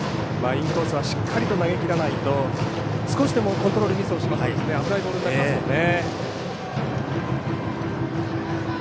インコースはしっかりと投げきらないと少しでもコントロールミスをしてしまいますと危ないボールになりますもんね。